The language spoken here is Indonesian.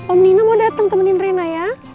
om nino mau datang temenin rena ya